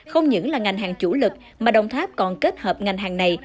không những là ngành hàng chủ lực mà đồng tháp còn kết hợp ngành hàng này